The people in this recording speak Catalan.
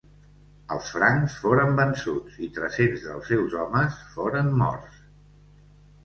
Els francs foren vençuts i tres-cents dels seus homes foren morts.